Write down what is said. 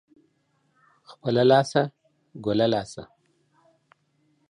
خپله لاسه ، گله لاسه.